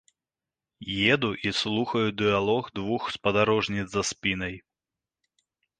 Еду і слухаю дыялог двух спадарожніц за спінай.